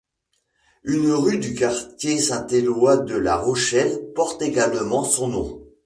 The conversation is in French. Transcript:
Une rue du quartier Saint Éloi de La Rochelle porte également son nom.